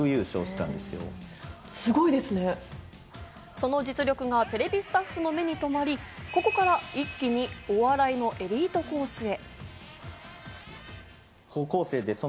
その実力がテレビスタッフの目に留まり、ここから一気にお笑いのエリートコースへ。